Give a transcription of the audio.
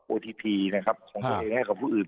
โอทิปต์ของประเทศงานกับผู้อื่น